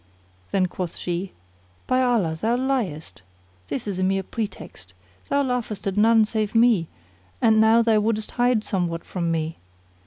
Then quoth she, "By Allah, thou liest! this is a mere pretext: thou laughest at none save me, and now thou wouldest hide somewhat from me.